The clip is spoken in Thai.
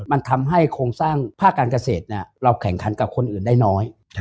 มันทำให้โครงสร้างภาคการเกษตรเราแข่งขันกับคนอื่นได้น้อย